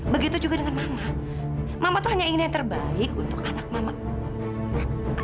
begitu juga dengan mama mama tuh hanya ingin yang terbaik untuk anak mamaku